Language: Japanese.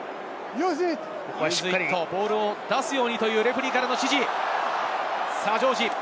ボールを出すようにというレフェリーからの指示です。